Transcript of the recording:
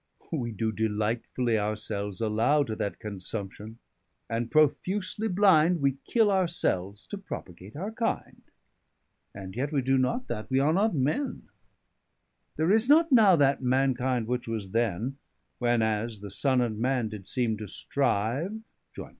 We doe delightfully our selves allow To that consumption; and profusely blinde, Wee kill our selves to propagate our kinde. 110 And yet we do not that; we are not men: There is not now that mankinde, which was then, When as, the Sunne and man did seeme to strive, [Sidenote: _Shortnesse of life.